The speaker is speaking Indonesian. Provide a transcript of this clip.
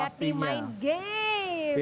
ya di main games